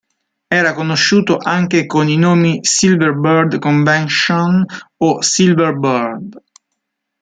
Era conosciuto anche con i nomi Silver Bird Convention o Silver Bird.